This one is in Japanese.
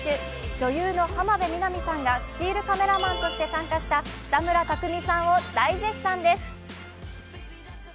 女優の浜辺美波さんがスチールカメラマンとして参加した北村匠海さんを大絶賛です。